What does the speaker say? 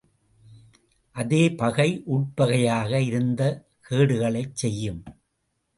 அதே பகை உட்பகையாக இருந்து கேடுகளைச் செய்யும்.